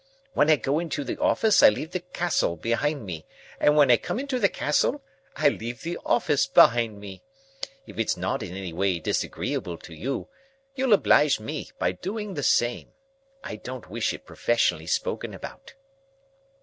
When I go into the office, I leave the Castle behind me, and when I come into the Castle, I leave the office behind me. If it's not in any way disagreeable to you, you'll oblige me by doing the same. I don't wish it professionally spoken about."